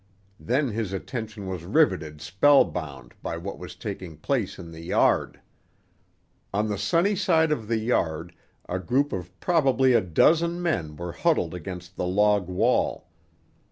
Then his attention was riveted spellbound by what was taking place in the yard. On the sunny side of the yard a group of probably a dozen men were huddled against the log wall.